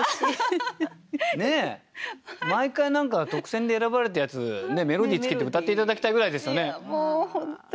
毎回特選で選ばれたやつメロディーつけて歌って頂きたいぐらいですよね。